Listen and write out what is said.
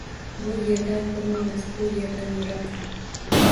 Bu yerdan koʻrinmas, bu yerdan yiroq.